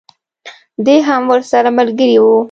دی هم ورسره ملګری وو.